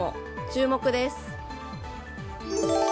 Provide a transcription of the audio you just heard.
注目です。